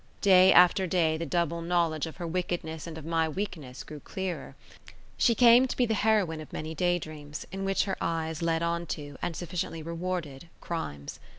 Day after day the double knowledge of her wickedness and of my weakness grew clearer. She came to be the heroine of many day dreams, in which her eyes led on to, and sufficiently rewarded, crimes.